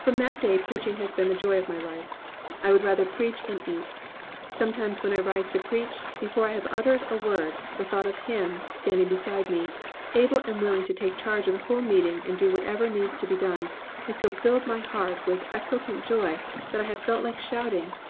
From that day preaching has been the joy of my life. I would rather preach than eat. Sometimes when I rise to preach, before I have uttered a word, the thought of Him, standing beside me, able and willing to take charge of the whole meeting and do whatever needs to be done, has so filled my heart with exultant joy that I have felt like shouting.